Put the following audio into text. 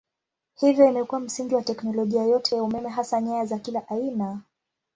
Hivyo imekuwa msingi wa teknolojia yote ya umeme hasa nyaya za kila aina.